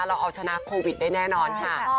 เราเอาชนะโควิดได้แน่นอนค่ะ